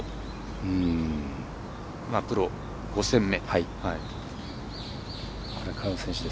プロ５戦目。